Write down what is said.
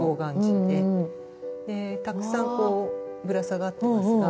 でたくさんこうぶら下がってますが。